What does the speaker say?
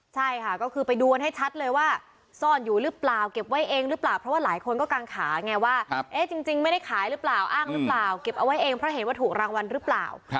ใช่ค่ะก็คือไปดูกันให้ชัดเลยว่าซ่อนอยู่หรือเปล่าเก็บไว้เองหรือเปล่าเพราะว่าหลายคนก็กังขาไงว่าจริงไม่ได้ขายหรือเปล่าอ้างหรือเปล่าเก็บเอาไว้เองเพราะเห็นว่าถูกรางวัลหรือเปล่า